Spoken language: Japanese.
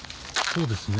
そうですね。